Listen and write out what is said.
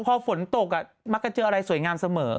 พอฝนตกมักจะเจออะไรสวยงามเสมอ